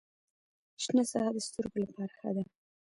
شنه ساحه د سترګو لپاره ښه ده.